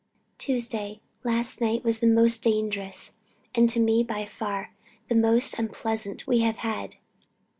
"Tuesday. Last night was the most dangerous, and to me, by far the most unpleasant we have had....